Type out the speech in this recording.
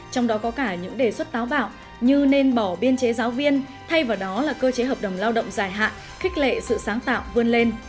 trong đó có cả những đề xuất táo bạo như nên bỏ biên chế giáo viên thay vào đó là cơ chế hợp đồng lao động dài hạn khích lệ sự sáng tạo vươn lên